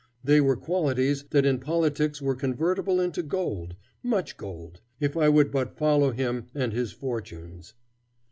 They were qualities that in politics were convertible into gold, much gold, if I would but follow him and his fortunes.